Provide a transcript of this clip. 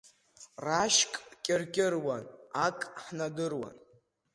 Рашьк кьыркьыруан, ак ҳнардыруан.